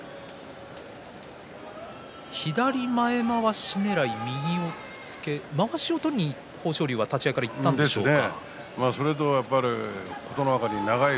左前まわしねらい、右の押っつけ豊昇龍はまわしを取りに立ち合いからいったんでしょうか。